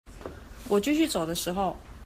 我繼續走的時候